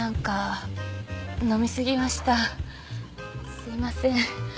すいません。